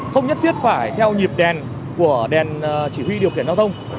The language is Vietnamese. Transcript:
không nhất thiết phải theo nhịp đèn của đèn chỉ huy điều khiển giao thông